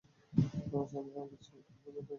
আমার বাচ্চা একটু হলেও মেয়েদের মতো চল।